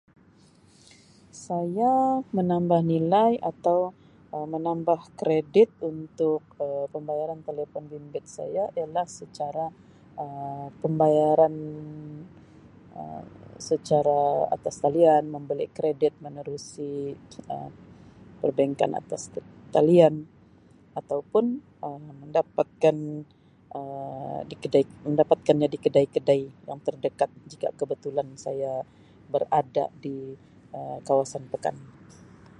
Saya menambah nilai atau menambah kredit untuk Um pembayaran telefon bimbit saya ialah secara Um pembayaran secara atas talian membeli kredit menerusi Um perbankan atas talian ataupun Um mendapatkan Um di kedai mendapatkanya di kedai-kedai yang terdekat jika kebetulan saya berada di Um kawasan pekan.